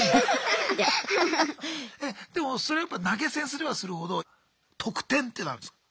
でもそれやっぱ投げ銭すればするほど特典っていうのあるんですか？